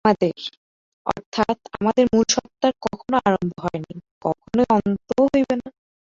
আমাদের অর্থাৎ আমাদের মূল সত্তার কখনও আরম্ভ হয় নাই, কখনই অন্তও হইবে না।